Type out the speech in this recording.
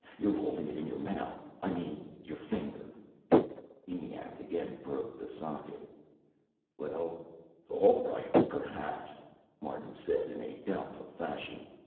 "You're holding it in your mouth I mean your finger." ENIAC again probed the socket. "Well, all right, perhaps," Martin said, in a doubtful fashion.